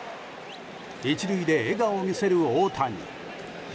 １塁で笑顔を見せる大谷。